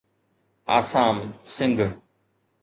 Assam Singh